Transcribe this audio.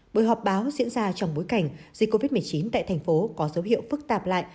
buổi họp báo diễn ra trong bối cảnh dịch covid một mươi chín tại thành phố có dấu hiệu phức tạp lại